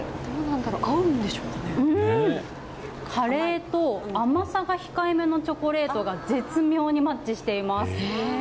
カレーと甘さが控えめのチョコレートが絶妙にマッチしています。